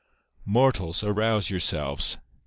" Mortals, arouse yourselves !